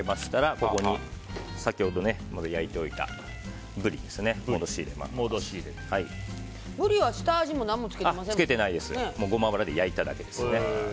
ここに先ほど焼いておいたブリは下味もゴマ油で焼いただけです。